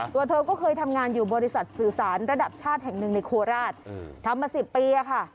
ตัวเธอก็เคยทำงานอยู่บริษัทสื่อสารระดับชาติแห่งหนึ่งในโคราชทำมา๑๐ปีค่ะ